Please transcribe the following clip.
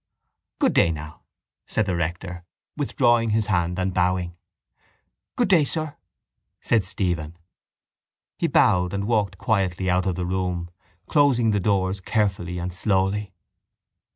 —Good day now, said the rector, withdrawing his hand and bowing. —Good day, sir, said Stephen. He bowed and walked quietly out of the room, closing the doors carefully and slowly.